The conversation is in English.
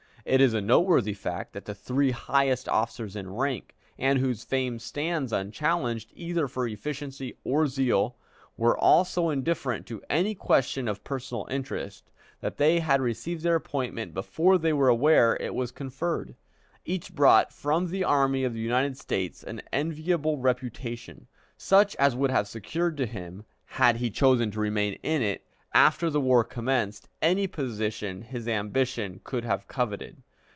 It is a noteworthy fact that the three highest officers in rank, and whose fame stands unchallenged either for efficiency or zeal, were all so indifferent to any question of personal interest, that they had received their appointment before they were aware it was to be conferred. Each brought from the Army of the United States an enviable reputation, such as would have secured to him, had he chosen to remain in it, after the war commenced, any position his ambition could have coveted.